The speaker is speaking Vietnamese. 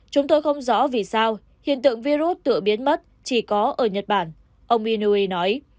chúng tôi không rõ vì sao hiện tượng virus tự biến mất chỉ có ở nhật bản ông minue nói